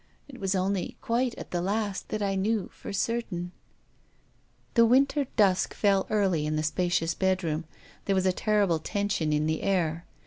It was only quite at the last" The November dusk fell early in the spa cious bedroom. There was a terrible tension in the air.